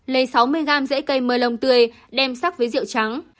lấy sáu mươi gam dễ cây mơ lông tươi đem sắc với rượu trắng